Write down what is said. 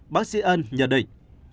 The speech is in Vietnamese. bác sĩ ơn nhờ định